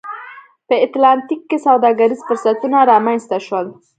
په اتلانتیک کې سوداګریز فرصتونه رامنځته شول